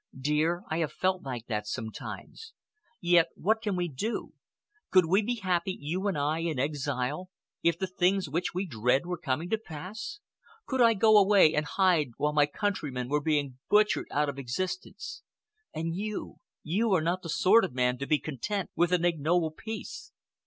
"Dear, I have felt like that sometimes, yet what can we do? Could we be happy, you and I, in exile, if the things which we dread were coming to pass? Could I go away and hide while my countrymen were being butchered out of existence?— And you—you are not the sort of man to be content with an ignoble peace.